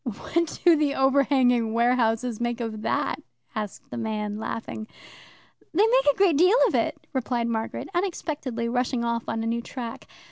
"What do the overhanging warehouses make of that?" asked the man, laughing. "They make a great deal of it," replied Margaret, unexpectedly rushing off on a new track.